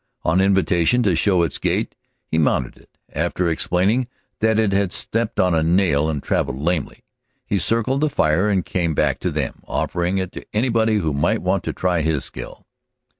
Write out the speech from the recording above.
On invitation to show its gait he mounted it, after explaining that it had stepped on a nail and traveled lamely. He circled the fire and came back to them, offering it to anybody who might want to try his skill.